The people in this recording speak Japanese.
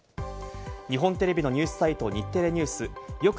日本テレビのニュースサイト、日テレＮＥＷＳ。